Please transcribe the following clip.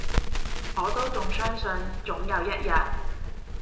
我都仲相信，總有一日